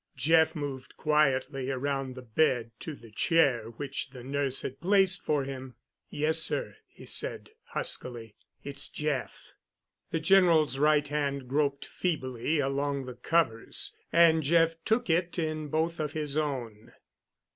Jeff moved quietly around the bed to the chair which the nurse had placed for him, "Yes, sir," he said huskily. "It's Jeff." The General's right hand groped feebly along the covers, and Jeff took it in both of his own.